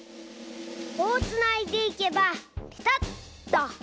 こうつないでいけばピタッと！